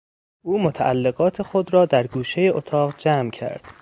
او متعلقات خود را در گوشهی اتاق جمع کرد.